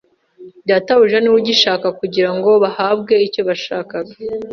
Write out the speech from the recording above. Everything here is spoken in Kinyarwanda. "Databuja ni we ugishaka," kugira ngo bahabwe icyo bashakaga